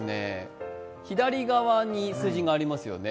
左側に数字がありますよね。